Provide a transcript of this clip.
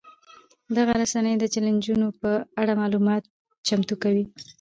دغه رسنۍ د چلنجونو په اړه معلومات چمتو کوي.